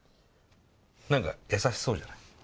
何か優しそうじゃない？